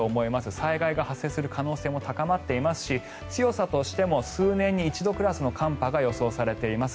災害が発生する可能性も高まっていますし強さとしても数年に一度クラスの寒波が予想されています。